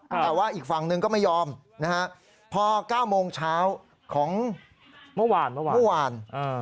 แต่ว่าอีกฝั่งหนึ่งก็ไม่ยอมนะฮะพอ๙โมงเช้าของเมื่อวานเมื่อวาน